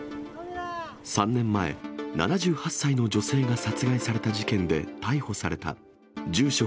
３年前、７８歳の女性が殺害された事件で逮捕された住所